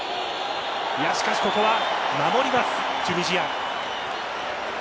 しかしここは守りますチュニジア。